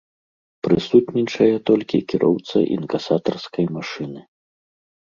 Прысутнічае толькі кіроўца інкасатарскай машыны.